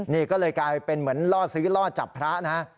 นี่ก็เลยกลายเป็นเหมือนล่อซื้อล่อจับพระนะฮะ